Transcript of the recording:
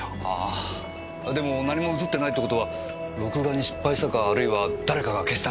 でも何も映ってないって事は録画に失敗したかあるいは誰かが消した！